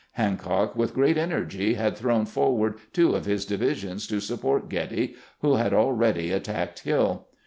Hancock, with great energy, had thrown forward two of his divi sions to support Getty, who had already attacked Hill.